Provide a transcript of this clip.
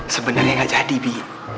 sebenarnya nggak jadi bi